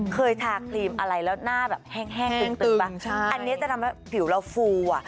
เคยทาครีมอะไรแล้วหน้าแบบแห้งตึงป่ะอันนี้จะทำให้ผิวเราฟูอ่ะ